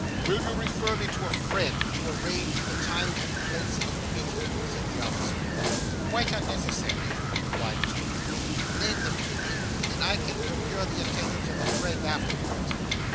'Will you refer me to a friend, to arrange the time and place of meeting?' said the officer. 'Quite unnecessary,' replied Mr. Winkle; 'name them to me, and I can procure the attendance of a friend afterwards.